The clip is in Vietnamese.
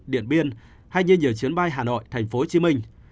điện biên hay như nhiều chuyến bay hà nội tp hcm